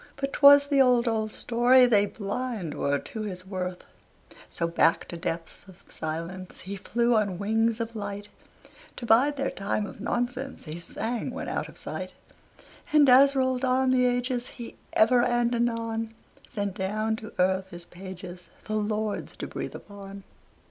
But 'twas the old, old story, They blind were to his worth. So back to depths of silence He flew on wings of light, "To bide their time of nonsense," He sang when out of sight. And as rolled on the ages, He ever and anon Sent down to earth his pages The lords to breathe upon.